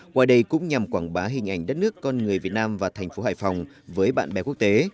qua đây cũng nhằm quảng bá hình ảnh đất nước con người việt nam và thành phố hải phòng với bạn bè quốc tế